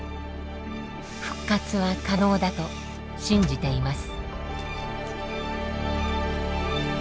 復活は可能だと信じています。